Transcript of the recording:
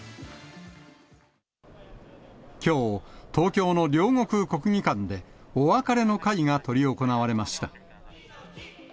きょう、東京の両国国技館でお別れの会が執り行われました。